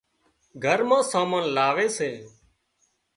گھر مان سامان لاوي سي